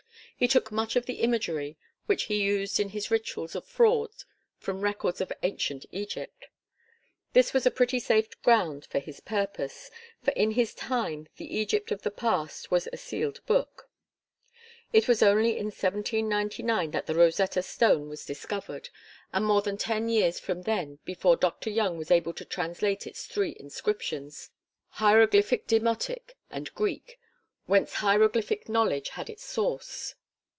He took much of the imagery which he used in his rituals of fraud from records of ancient Egypt. This was a pretty safe ground for his purpose, for in his time the Egypt of the past was a sealed book. It was only in 1799 that the Rosetta stone was discovered, and more than ten years from then before Dr. Young was able to translate its three inscriptions Hieroglyphic Demotic and Greek whence Hieroglyphic knowledge had its source.